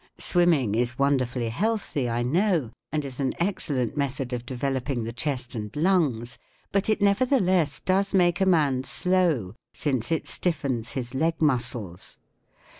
Swimming is wonderfully healthy. I know* and is an excellent * method of developing the chest and lungs, but it nevertheless does make a man slow, since it stiffens his leg muscles.